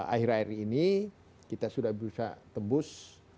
akhir akhir ini kita sudah bisa tembus